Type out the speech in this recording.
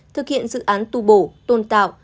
thực hiện dự án tu bổ tôn tạo